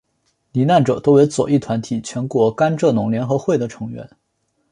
罹难者多为左翼团体全国甘蔗农联合会的成员。